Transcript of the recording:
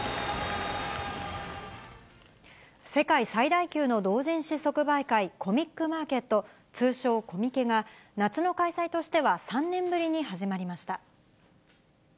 世界最大級の同人誌即売会、コミックマーケット、通称コミケが、夏の開催としては３年ぶりに始まりました。